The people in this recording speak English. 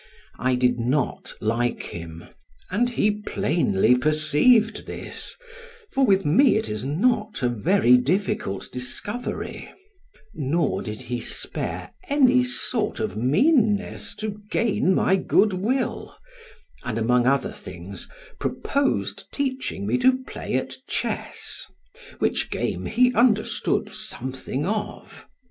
I did not like him, and he plainly perceived this, for with me it is not a very difficult discovery, nor did he spare any sort of meanness to gain my good will, and among other things proposed teaching me to play at chess, which game he understood something of.